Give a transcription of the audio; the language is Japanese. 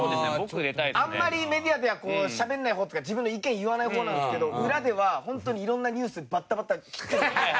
あんまりメディアではこうしゃべんない方っていうか自分の意見言わない方なんですけど裏ではホントに色んなニュースバッタバッタ斬ってる。